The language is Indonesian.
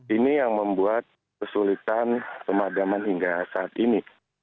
ini yang membuat kesulitan pemadaman hingga saat ini